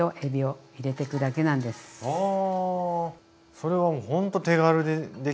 それはもうほんと手軽にできますね。